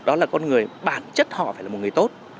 đó là con người bản chất họ phải là một người tốt